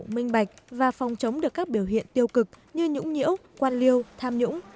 minh bạch và phòng chống được các biểu hiện tiêu cực như nhũng nhiễu quan liêu tham nhũng